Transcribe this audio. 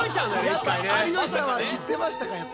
やっぱ有吉さんは知ってましたか？